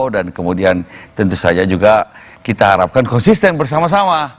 dan kemudian tentu saja juga kita harapkan konsisten bersama sama